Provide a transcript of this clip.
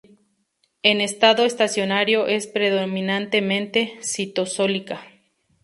En estado estacionario es predominantemente citosólica.